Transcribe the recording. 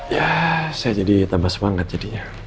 ya saya jadi tambah semangat jadinya